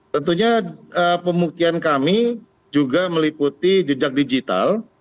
tentunya pembuktian kami juga meliputi jejak digital